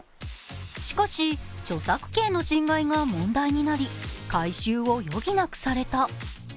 しかし、著作権の侵害が問題になり改修を余儀なくされた。